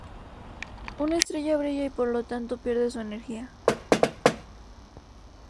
Una estrella brilla y por lo tanto pierde su energía.